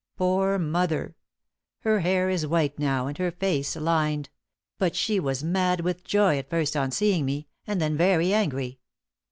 Poor mother! Her hair is white now, and her fact lined; but she was mad with joy at first on seeing me, and then very angry."